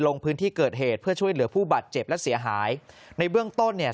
ลงพื้นที่เกิดเหตุเพื่อช่วยเหลือผู้บาดเจ็บและเสียหายในเบื้องต้นเนี่ย